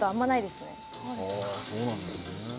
そうなんですね。